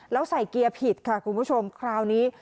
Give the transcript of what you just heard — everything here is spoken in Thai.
แล้วใส่เกียร์ผิดค่ะคุณผู้ชมคราวนี้